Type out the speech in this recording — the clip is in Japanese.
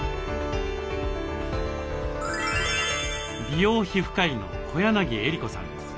美容皮膚科医の小柳衣吏子さんです。